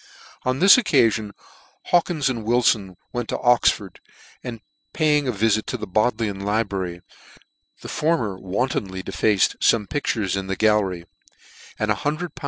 On this occafion Hawkins and Wilfon went to Oxford, and paying a vifit to the Bodleian libra ry, the former wantonly defaced fome pictures in the gallery ; and lool.